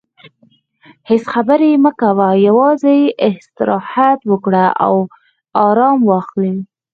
هیڅ خبرې مه کوه، یوازې استراحت وکړه او ارام واخلې.